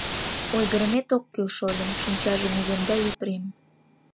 — Ойгырымет ок кӱл, шольым, — шинчажым иземда Епрем.